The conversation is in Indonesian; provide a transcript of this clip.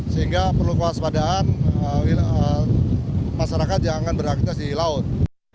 sehingga perlu kewaspadaan masyarakat jangan beraktivitas di laut